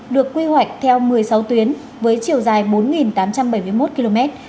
được quy hoạch theo một mươi sáu tuyến với chiều dài bốn tám trăm bảy mươi một km